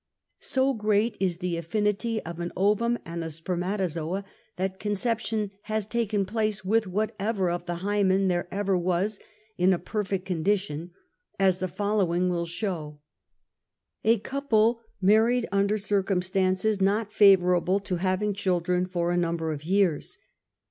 So great is the affinity of an ovum and a spermatozoa that conception has taken place with whatever of the hymen there ever was in a perfect condition, as the following will show. A couple married under circumstances not favorable to having children for a number of years.